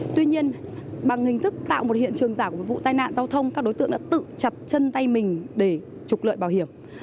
tuy nhiên bằng hình thức tạo một hiện trường giảm của vụ tai nạn giao thông các đối tượng đã tự chặt chân tay mình để trục lợi bảo hiểm